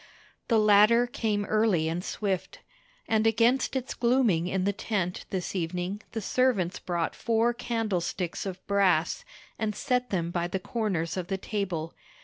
The latter came early and swift; and against its glooming in the tent this evening the servants brought four candlesticks of brass, and set them by the corners of the table.